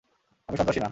আমি সন্ত্রাসী না।